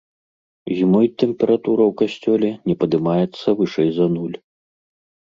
Зімой тэмпература ў касцёле не падымаецца вышэй за нуль.